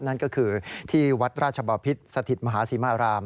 นั่นก็คือที่วัดราชบอพิษสถิตมหาศรีมาราม